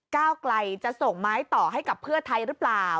ก้าวไกลจะส่งไม้ต่อให้กับเพื่อไทยหรือเปล่า